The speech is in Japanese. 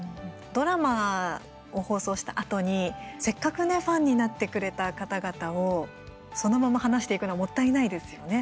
ドラマを放送したあとにせっかくファンになってくれた方々をそのまま放していくのはもったいないですよね。